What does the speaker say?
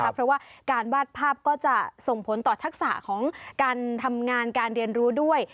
เพราะว่าการวาดภาพก็จะส่งผลต่อทักษะของการทำงานการเรียนรู้ด้วย